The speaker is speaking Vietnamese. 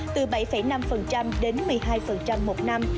từ bảy năm đến một mươi hai một năm